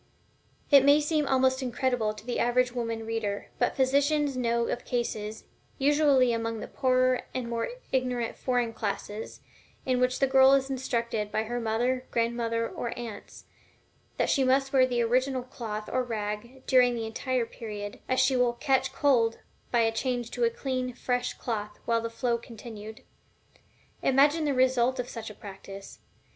It may seem almost incredible to the average woman reader, but physicians know of cases (usually among the poorer and more ignorant foreign classes) in which the girl is instructed by her mother, grandmother, or aunts, that she must wear the original cloth or rag during the entire period, as she will "catch cold" by a change to a clean, fresh cloth while the flow continued. Imagine the result of such a practice!